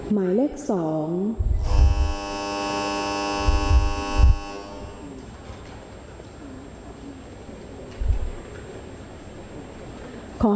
หมายเลขสอง